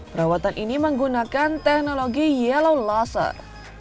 perawatan ini menggunakan teknologi yellow laser